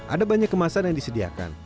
ada banyak kemasan yang disediakan